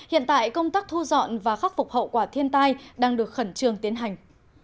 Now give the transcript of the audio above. hiện tại công tác thu dọn và khắc phục hậu quả thiên tai đang được khẩn trương tiến hành